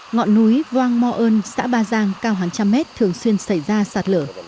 ngọn núi hoang mo ơn xã ba giang cao hàng trăm mét thường xuyên xảy ra sạt lửa